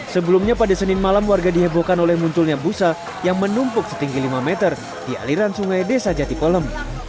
sebelumnya pada senin malam warga dihebohkan oleh munculnya busa yang menumpuk setinggi lima meter di aliran sungai desa jati polem